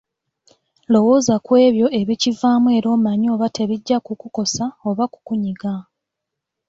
Lowooza ku ebyo ebikivaamu era omanye oba tebijja kukosa oba kukunyiga.